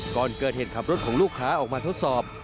ก่อนเกิดเหตุขับรถของลูกค้าออกมาทดสอบ